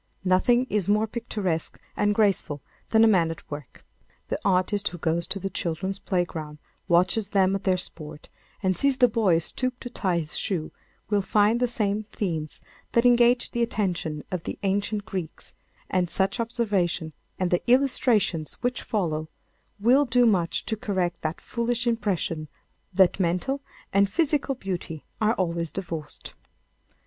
Nothing is more picturesque and graceful than a man at work. The artist who goes to the children's playground, watches them at their sport and sees the boy stoop to tie his shoe, will find the same themes that engaged the attention of the ancient Greeks, and such observation and the illustrations which follow will do much to correct that foolish impression that mental and physical beauty are always divorced.